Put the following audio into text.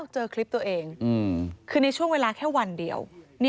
เจอคลิปตัวเองคือในช่วงเวลาแค่วันเดียว